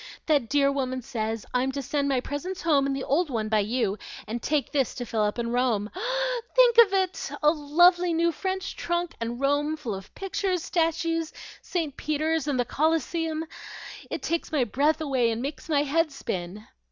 "That dear woman says I'm to send my presents home in the old one by you, and take this to fill up in Rome. Think of it! A lovely new French trunk, and Rome full of pictures, statues, St. Peter's, and the Colosseum. It takes my breath away and makes my head spin."